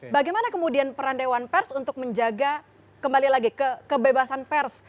bagaimana kemudian peran dewan pers untuk menjaga kembali lagi kebebasan pers